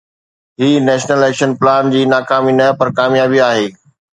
هي national action plan جي ناڪامي نه پر ڪاميابي آهي.